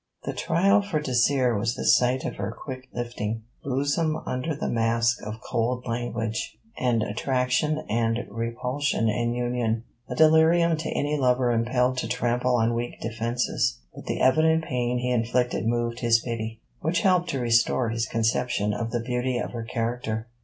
The trial for Dacier was the sight of her quick lifting; bosom under the mask of cold language: an attraction and repulsion in union; a delirium to any lover impelled to trample on weak defences. But the evident pain he inflicted moved his pity, which helped to restore his conception of the beauty of her character.